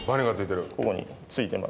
ここについてます。